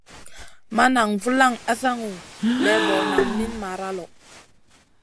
Ma nan vulaŋ asaŋu lébo naŋ min mara lo.